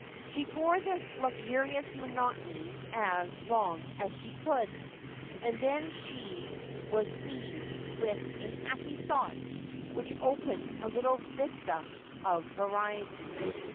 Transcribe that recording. She bore this luxurious monotony as long as she could, and then she was seized with a happy thought which opened a little vista of variety.